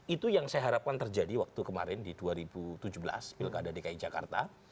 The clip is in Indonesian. itu yang saya harapkan terjadi waktu kemarin di dua ribu tujuh belas pilkada dki jakarta